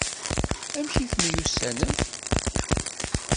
Amek i temyussanem?